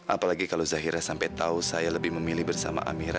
apalagi kalau zahira sampai tahu saya lebih memilih bersama amira